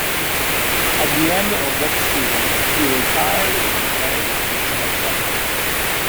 At the end of that season, he retired from playing professional soccer.